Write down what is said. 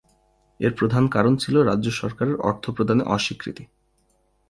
এর প্রধান কারণ ছিল রাজ্য সরকারের অর্থ প্রদানে অস্বীকৃতি।